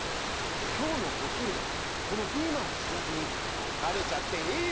きょうのおひるはこのピーマンをしゅやくにたべちゃっていいんです。